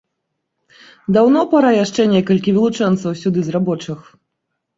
Даўно пара яшчэ некалькі вылучэнцаў сюды з рабочых!